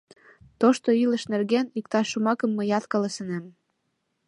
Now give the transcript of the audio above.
Тошто илыш нерген иктаж шомакым мыят каласынем.